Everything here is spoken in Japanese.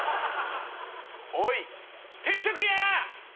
おい定食屋！